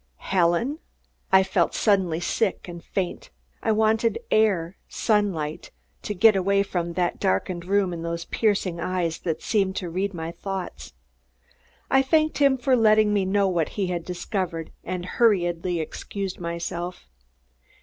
Helen! I felt suddenly sick and faint. I wanted air, sunlight; to get away from that darkened room and those piercing eyes that seemed to read my thoughts. I thanked him for letting me know what he had discovered, and hurriedly excused myself.